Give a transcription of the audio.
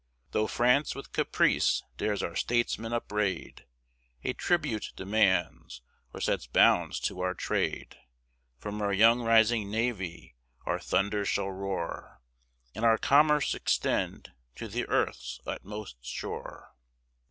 Tho' France with caprice dares our Statesmen upbraid, A tribute demands, or sets bounds to our trade; From our young rising Navy our thunders shall roar, And our Commerce extend to the earth's utmost shore.